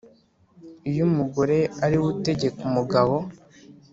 Iyo umugore ari we utegeka umugabo,